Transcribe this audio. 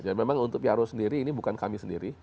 jadi memang untuk piaro sendiri ini bukan kami sendiri